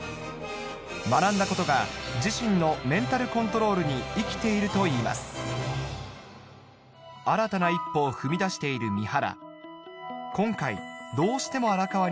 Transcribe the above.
学んだことが自身のに生きていると言います新たな一歩を踏み出している三原